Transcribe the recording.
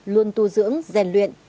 luôn tu dưỡng rèn luyện